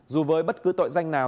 dù với bất cứ tội danh nào